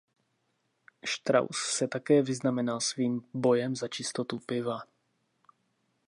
Strauss se také vyznamenal svým bojem za čistotu piva.